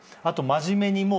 あと真面目に。